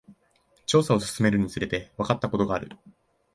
調査を進めるにつれて、わかったことがある。